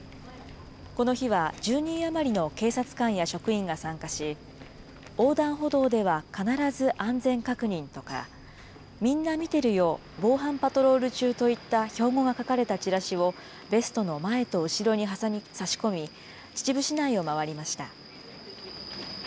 この日は、１０人余りの警察官や職員が参加し、横断歩道では必ず安全確認とか、みんな見てるよ、防犯パトロール中といった標語が書かれたチラシを、ベストの前と後ろに差し込み、秩父市内を回りました。